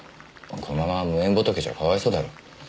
このまま無縁仏じゃかわいそうだろ。